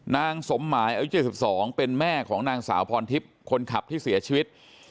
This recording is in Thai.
นางสมหมายอายุ๗๒เป็นแม่ของนางสาวพรทิพย์คนขับที่เสียชีวิต